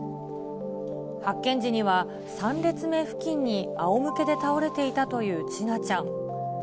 発見時には、３列目付近にあおむけで倒れていたという千奈ちゃん。